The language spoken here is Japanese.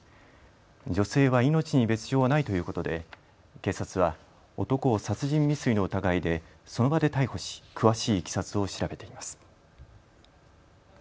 女性は命に別状はないということで警察は男を殺人未遂の疑いでその場で逮捕し、詳しいいきさつを調べています。